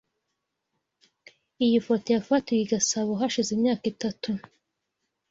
Iyi foto yafatiwe i Gasabo hashize imyaka itatu.